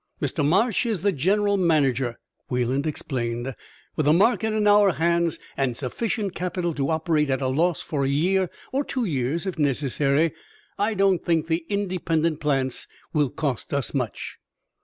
"Mr. Marsh is the General Manager," Wayland explained. "With the market in our own hands, and sufficient capital to operate at a loss for a year, or two years, if necessary, I don't think the independent plants will cost us much."